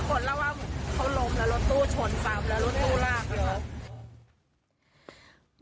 ฟังแล้วรถตู้ลากเลยค่ะ